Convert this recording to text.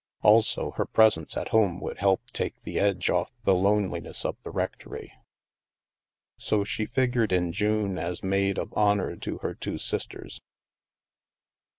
Also, her presence at home would help take the edge off the loneliness of the rectory. So she figured in June as maid of honor to her two sisters.